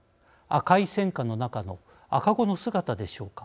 赤い戦火の中の赤子の姿でしょうか。